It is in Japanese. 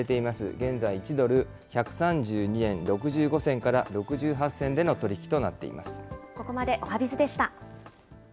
現在、１ドル１３２円６５銭から６８銭での取り引きとなっています。